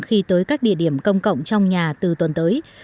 khi tới các địa điểm công cộng trong nhà từ tuần tới